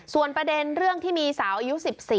ส่วนประเด็นเรื่องที่มีสาวอายุ๑๔